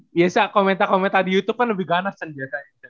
biasa komentar komentar di youtube kan lebih ganas kan biasanya